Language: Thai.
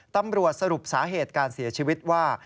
ตำรวจสรุปสาเหตุการเสียชีวิตว่า